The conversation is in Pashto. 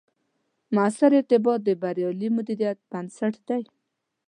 مؤثر ارتباط، د بریالي مدیریت بنسټ دی